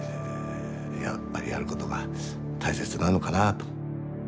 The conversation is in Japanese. やっぱりやることが大切なのかなと。